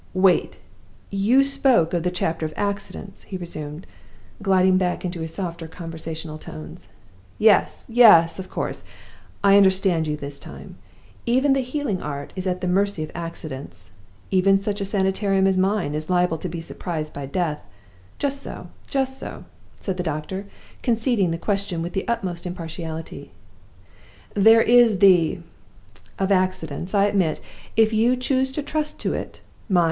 "Wait! you spoke of the chapter of accidents," he resumed, gliding back into his softer conversational tones. "Yes! yes! of course. I understand you this time. Even the healing art is at the mercy of accidents; even such a Sanitarium as mine is liable to be surprised by Death. Just so! just so!" said the doctor, conceding the question with the utmost impartiality. "There is the chapter of accidents, I admit if you choose to trust to it. Mind!